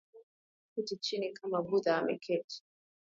Kuketi chini kama Buddha ameketi